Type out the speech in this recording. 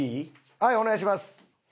はいお願いします。